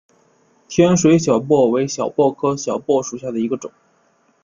天水小檗为小檗科小檗属下的一个种。